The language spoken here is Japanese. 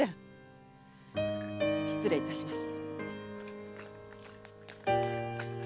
失礼いたします。